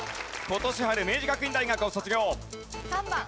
今年春明治学院大学を卒業。